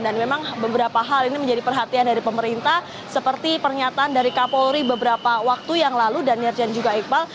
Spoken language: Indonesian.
dan memang beberapa hal ini menjadi perhatian dari pemerintah seperti pernyataan dari kapolri beberapa waktu yang lalu dan niarjan juga iqbal